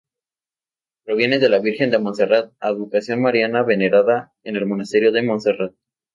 Proviene de la Virgen de Montserrat, advocación mariana venerada en el Monasterio de Montserrat.